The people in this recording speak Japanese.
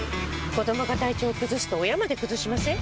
子どもが体調崩すと親まで崩しません？